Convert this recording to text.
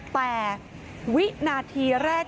แต่วินาทีแรก